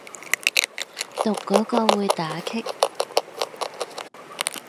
讀嗰個會打棘